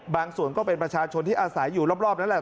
ส่วนก็เป็นประชาชนที่อาศัยอยู่รอบนั่นแหละ